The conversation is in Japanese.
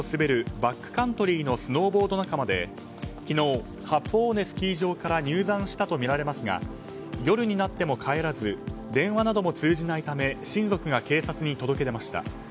２人は整備されたコース外を滑るバックカントリーのスノーボード仲間で昨日、八方尾根スキー場から入山したとみられますが夜になっても帰らず電話なども通じないため親族が警察に届け出ました。